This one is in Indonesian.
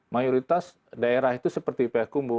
mayoritas daerah itu seperti payakumbu